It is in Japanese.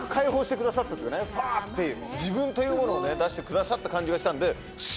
ふぁ！って自分というものをね出してくださった感じがしたんです